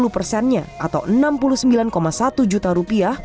tujuh puluh persennya atau rp enam puluh sembilan satu juta